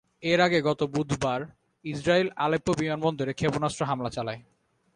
এর আগে গত বুধবার ইসরাইল আলেপ্পো বিমানবন্দরে ক্ষেপণাস্ত্র হামলা চালায়।